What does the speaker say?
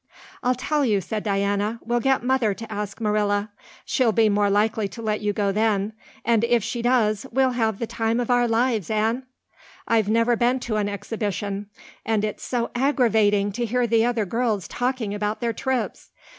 "I'll tell you," said Diana, "we'll get Mother to ask Marilla. She'll be more likely to let you go then; and if she does we'll have the time of our lives, Anne. I've never been to an Exhibition, and it's so aggravating to hear the other girls talking about their trips.